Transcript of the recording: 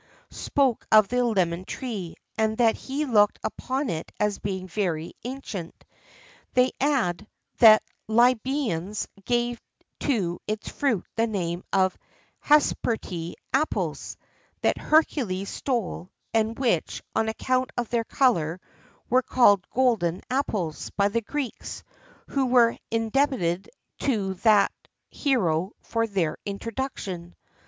C.), spoke of the lemon tree, and that he looked upon it as being very ancient. They add, that the Lybians gave to its fruit the name of "Hesperide apples," that Hercules stole, and which, on account of their colour, were called "golden apples" by the Greeks, who were indebted to that hero for their introduction.